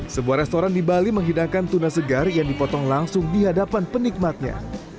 sebuah restoran di bali menghidangkan tuna segar yang dipotong langsung di hadapan penikmatnya